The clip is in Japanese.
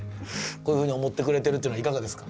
こういうふうに思ってくれてるっていうのはいかがですか？